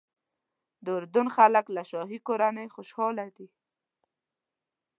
د اردن خلک له شاهي کورنۍ خوشاله دي.